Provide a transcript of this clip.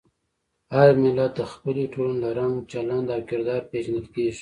هر ملت د خپلې ټولنې له رنګ، چلند او کردار پېژندل کېږي.